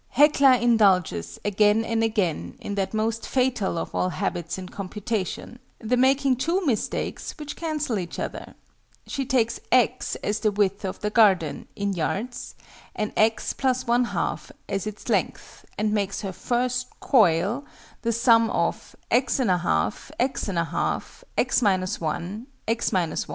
HECLA indulges, again and again, in that most fatal of all habits in computation the making two mistakes which cancel each other. She takes x as the width of the garden, in yards, and x + 1/2 as its length, and makes her first "coil" the sum of x 1/2, x 1/2, x 1, x 1, _i.e.